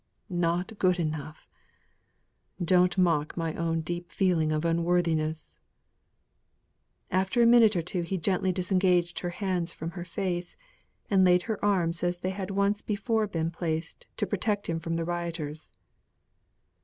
"Not good enough! Don't mock my own deep feeling of unworthiness." After a minute or two he gently disengaged her hands from her face, and laid her arms as they had once before been placed to protect him from the rioters.